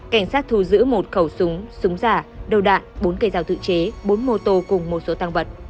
cảnh sát thu giữ một khẩu súng súng giả đầu đạn bốn cây rào tự chế bốn mô tô cùng một số tăng vật